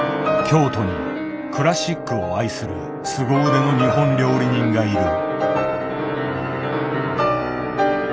京都にクラシックを愛するすご腕の日本料理人がいる。